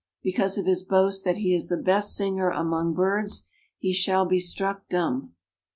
Because of his boast that he is the best singer among birds he shall be struck dumb.